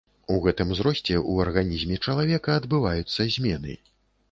У гэтым узросце ў арганізме чалавека адбываюцца змены.